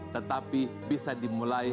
tetapi bisa dimulai